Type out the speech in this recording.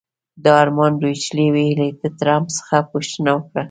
د المان ډویچې وېلې د ټرمپ څخه پوښتنه وکړه.